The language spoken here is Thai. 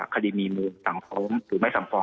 คดีมีมุมสั่งพร้อมหรือไม่สั่งพร้อม